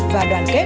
và đoàn kết